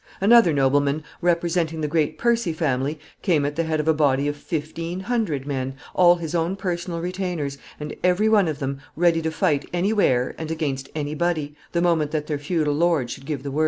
Another nobleman, representing the great Percy family, came at the head of a body of fifteen hundred men, all his own personal retainers, and every one of them ready to fight any where and against any body, the moment that their feudal lord should give the word.